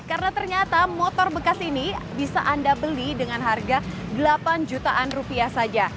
karena ternyata motor bekas ini bisa anda beli dengan harga delapan jutaan rupiah saja